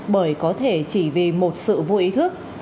bởi có thể chỉ vì một sự vô ý thức